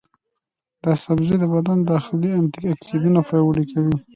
دا سبزی د بدن داخلي انټياکسیدانونه پیاوړي کوي.